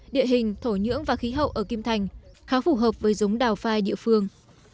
địa hình thổ nhưỡng và khí hậu ở kim thành khá phù hợp với giống đào phai địa phương